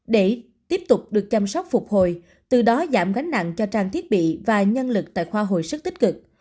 để tiếp tục được chăm sóc phục hồi từ đó giảm gánh nặng cho trang thiết bị và nhân lực tại khoa hồi sức tích cực